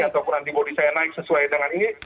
atau kurang antibody saya naik sesuai dengan ini